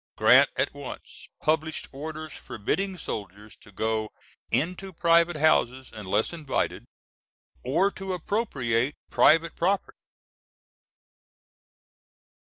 Grant at once published orders forbidding soldiers to go into private houses unless invited, or to appropriate private property.